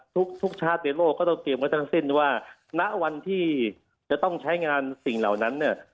ทุกชาร์จในโลกก็ต้องเตรียมไว้ทั้งสิ้นว่าณวันที่จะต้องใช้งานสิ่งเหล่านั้นเนี่ย